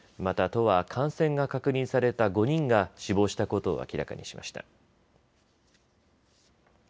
また都は感染が確認された５人が死亡したことを明らかにしました。